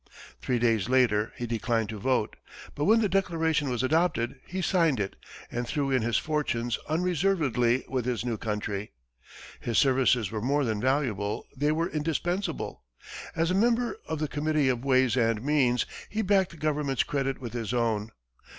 Three days later he declined to vote, but when the Declaration was adopted, he signed it, and threw in his fortunes unreservedly with his new country. His services were more than valuable they were indispensable. As a member of the Committee of Ways and Means, he backed the government's credit with his own.